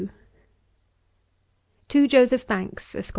'To JOSEPH BANKS, ESQ.